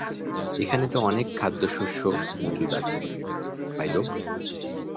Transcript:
এখানে তো অনেক খাদ্যশস্য মজুদ আছে, ভাইলোগ।